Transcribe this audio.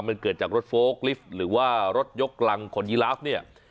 มันเกิดจากรถโฟลกลิฟต์หรือว่ารถยกกำลังขนยีลาฟเนี่ย